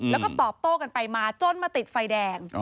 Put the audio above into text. แล้วก็ตอบโต้กันไปมาจนมาติดไฟแดง